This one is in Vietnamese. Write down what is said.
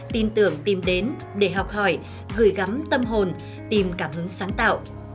tin tưởng tìm đến để học hỏi gửi gắm tâm hồn tìm cảm hứng sáng tạo